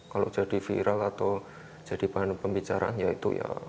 kalau jadi viral atau jadi bahan pembicaraan ya itu ya